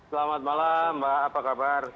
selamat malam mbak apa kabar